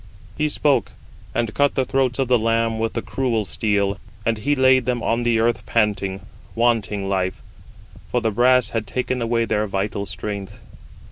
He spoke, and cut the throats of the lambs with the cruel steel, and he laid them on the earth panting, wanting life; for the brass had taken away their [vital] strength.